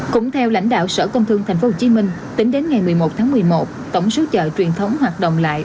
cũng theo lãnh đạo sở công thương tp hcm tính đến ngày một mươi một tháng một mươi một tổng số chợ truyền thống hoạt động lại